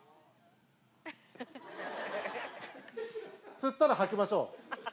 吸ったら吐きましょう。